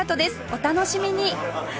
お楽しみに